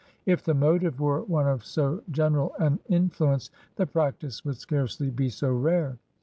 If the motive were one of so general an influence, the practice would scarcely be so rare.